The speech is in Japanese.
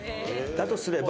だとすれば。